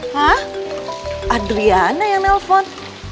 hah adriana yang nelfon